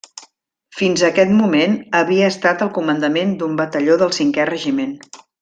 Fins a aquest moment havia estat al comandament d'un batalló del Cinquè Regiment.